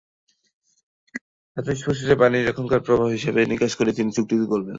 এতে স্পষ্ট যে, পানির এখানকার প্রবাহ হিসাব-নিকাশ করেই তিনি চুক্তিটি করবেন।